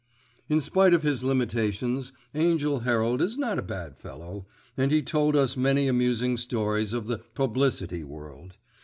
In spite of his limitations, Angell Herald is not a bad fellow, and he told us many amusing stories of the "publicity" world.